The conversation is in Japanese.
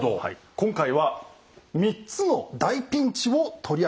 今回は３つの大ピンチを取り上げました。